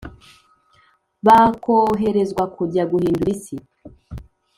bakoherezwa kujya guhindura isi